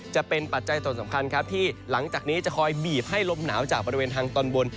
ปัจจัยส่วนสำคัญครับที่หลังจากนี้จะคอยบีบให้ลมหนาวจากบริเวณทางตอนบน